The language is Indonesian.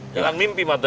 jangan mimpi madawak